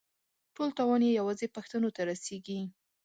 ټول تاوان یې یوازې پښتنو ته رسېږي.